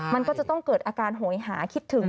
มันก็จะต้องเกิดอาการโหยหาคิดถึง